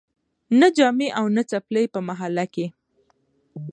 نه جامې او نه څپلۍ په محله کي